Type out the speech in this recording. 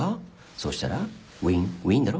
そしたらウィンウィンだろ？